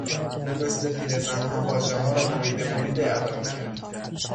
او مثل پیرزنها واژهها را بریده بریده ادا میکرد.